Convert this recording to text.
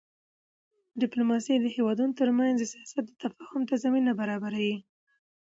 ډیپلوماسي د هېوادونو ترمنځ د سیاست تفاهم ته زمینه برابروي.